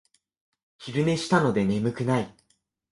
昼寝したので眠くない